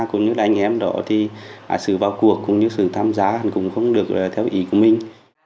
cũng như là anh em đó thì sự vào cuộc cũng như sự tham gia cũng không được theo ý của mình